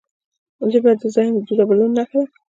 ژبه د ذهن د بدلون نښه ده.